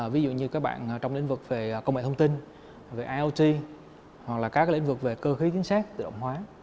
ví dụ như các bạn trong lĩnh vực về công nghệ thông tin về iot hoặc là các cái lĩnh vực về cơ khí kiến xét tự động hóa